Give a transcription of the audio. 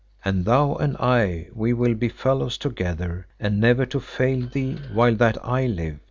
And thou and I we will be fellows together, and never to fail thee while that I live.